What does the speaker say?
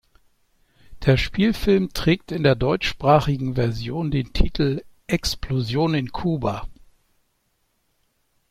Der Spielfilm trägt in der deutschsprachigen Version den Titel „Explosion in Cuba“.